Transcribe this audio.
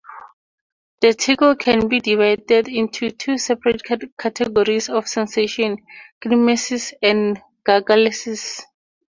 The tickle can be divided into two separate categories of sensation, knismesis and gargalesis.